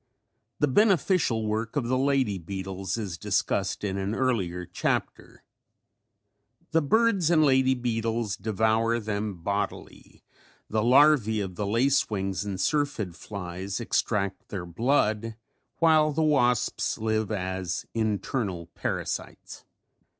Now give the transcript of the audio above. The beneficial work of the lady beetles is discussed in an earlier chapter. The birds and lady beetles devour them bodily, the larvæ of the lace wings and syrphid flies extract their blood while the wasps live as internal parasites.